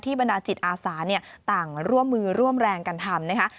บรรดาจิตอาสาต่างร่วมมือร่วมแรงกันทำนะคะ